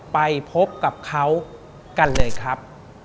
ไปพบกับเขากันเลยครับ